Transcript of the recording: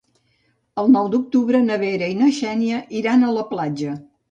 El nou d'octubre na Vera i na Xènia iran a la platja.